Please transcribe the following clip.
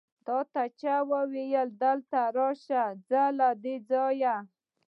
تاته چا وويل چې دلته راشه؟ ځه له دې ځايه!